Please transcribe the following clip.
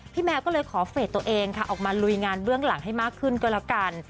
แมวก็เลยขอเฟสตัวเองค่ะออกมาลุยงานเบื้องหลังให้มากขึ้นก็แล้วกัน